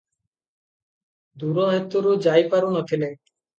ଦୂର ହେତୁରୁ ଯାଇ ପାରୁ ନ ଥିଲେ ।